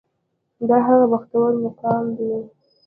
دا هغه بختور مقام دی.